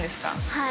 はい。